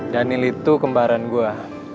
daniel itu kembaran gue